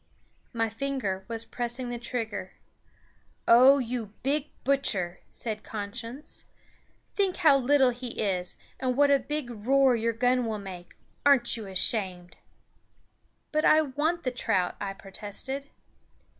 My finger was pressing the trigger "O you big butcher," said Conscience, "think how little he is, and what a big roar your gun will make! Aren't you ashamed?" "But I want the trout," I protested.